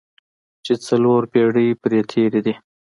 چې څلور پېړۍ پرې تېرې دي.